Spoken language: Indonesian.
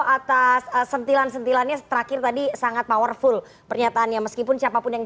atas sentilan sentilannya terakhir tadi sangat powerful pernyataannya meskipun siapapun yang